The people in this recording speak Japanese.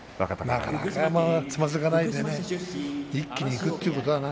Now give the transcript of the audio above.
なかなかねつまずかないで一気にいくというのはね